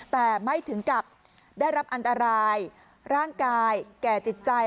แต่ไม่ถึงกับได้รับอันตรายร่างกายแก่จิตใจ